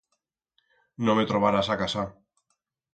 No me trobarás a casa.